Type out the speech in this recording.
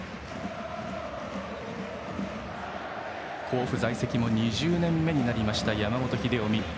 甲府在籍も２０年目になった山本英臣。